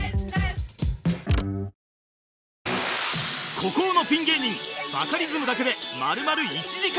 孤高のピン芸人バカリズムだけで丸々１時間